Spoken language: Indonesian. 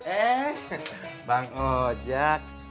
eh bang ojak